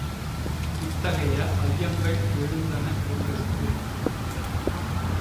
இத்தகைய ஐயங்கள் எழுந்தன எங்களுக்கு.